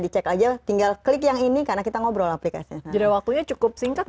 dicek aja tinggal klik yang ini karena kita ngobrol aplikasinya jadi waktunya cukup singkat